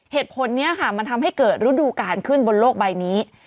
เหตุผลนี้ค่ะมันทำให้เกิดฤดูการขึ้นบนโลกใบนี้